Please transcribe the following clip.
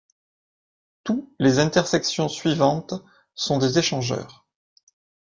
Tous les intersections suivantes sont des échangeurs.